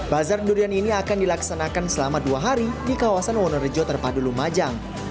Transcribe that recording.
bazar durian ini akan dilaksanakan selama dua hari di kawasan wonorejo terpadu lumajang